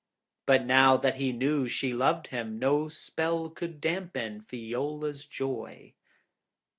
But now that he knew she loved him, no spell could dampen Fiola's joy.